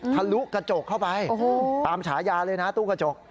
ทะลุกระจกเข้าไปตามฉายาเลยนะตู้กระจก